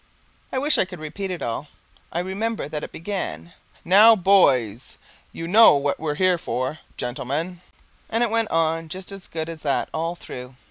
I wish I could repeat it all. I remember that it began: "Now boys, you know what we're here for, gentlemen," and it went on just as good as that all through.